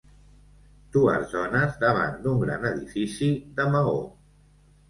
Dues dones davant d'un gran edifici de maó.